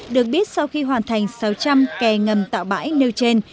được biết sau khi hoàn thành sáu trăm linh kè ngầm tạo bãi nêu trên